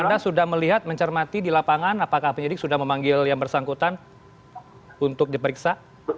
anda sudah melihat mencermati di lapangan apakah penyidik sudah memanggil yang bersangkutan untuk diperiksa